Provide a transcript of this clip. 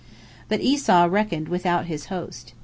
But Esau reckoned without his host.